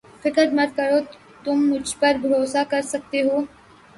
فکر مت کرو تم مجھ پر بھروسہ کر سکتے ہو